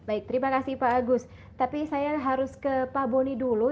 baik terima kasih pak agus tapi saya harus ke pak boni dulu